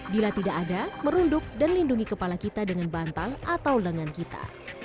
bila tidak ada merunduk dan lindungi kepala kita dengan bantal atau lengan kita